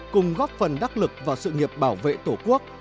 cùng góp phần đắc lực vào sự nghiệp bảo vệ tổ quốc